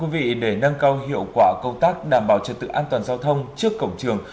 vị để nâng cao hiệu quả công tác đảm bảo trật tự an toàn giao thông trước cổng trường